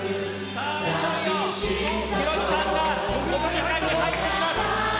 さあ、いよいよ、ヒロミさんが国技館に入ってきます。